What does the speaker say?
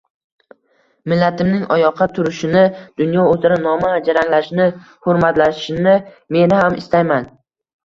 Millatimning oyoqqa turishini, dunyo uzra nomi jaranglashini, hurmatlanishini men ham istayman.